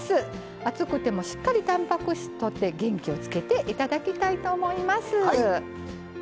暑くてもしっかり、たんぱく質をとって元気をつけていただきたいと思います。